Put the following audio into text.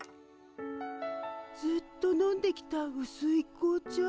ずっと飲んできたうすい紅茶。